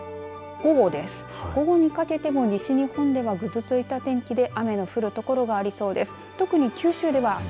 午後にかけても西日本では、くずついた天気で雨の降る所がありそうです。